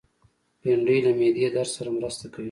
بېنډۍ له معدې درد سره مرسته کوي